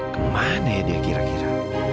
kemana ya dia kira kira